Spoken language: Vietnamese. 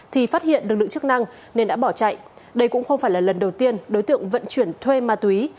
thì phát hiện lực lượng chức năng nên đã bỏ chạy đây cũng không phải là lần đầu tiên đối tượng vận chuyển thuê ma túy